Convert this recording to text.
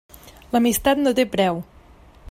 L'amistat no té preu.